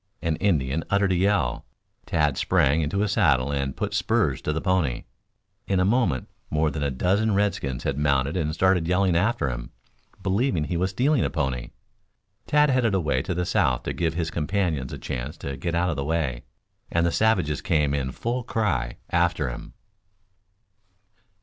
An Indian uttered a yell. Tad sprang into his saddle and put spurs to the pony. In a moment more than a dozen redskins had mounted and started yelling after him, believing he was stealing a pony. Tad headed away to the south to give his companions a chance to get out of the way, and the savages came in full cry after him.